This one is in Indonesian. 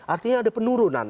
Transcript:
artinya ada penurunan